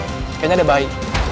kayaknya ada bayi